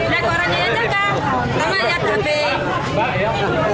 lihat ke orangnya yang jaga